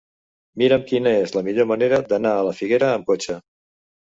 Mira'm quina és la millor manera d'anar a la Figuera amb cotxe.